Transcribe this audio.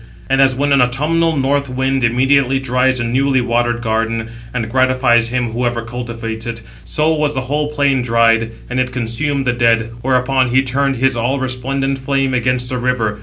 And as when an autumnal north wind immediately dries a newly watered garden, and gratifies him whoever cultivates it, so was the whole plain dried, and it consumed the dead; whereupon he turned his all resplendent flame against the river.